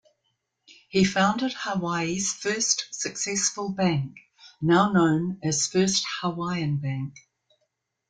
He founded Hawaii's first successful bank, now known as First Hawaiian Bank.